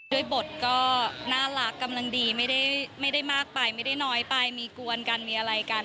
ด้วยบทก็น่ารักกำลังดีไม่ได้มากไปไม่ได้น้อยไปมีกวนกันมีอะไรกัน